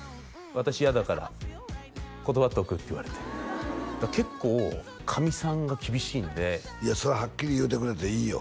「私嫌だから断っとく」って言われて結構かみさんが厳しいんでいやそれはっきり言うてくれていいよ